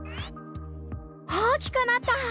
大きくなった！